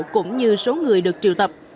cũng như số người được triệu tập